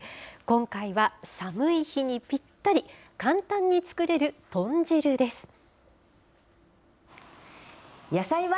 今回は、寒い日にぴったり、簡単に作れる豚汁です。